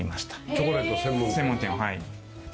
チョコレート専門店。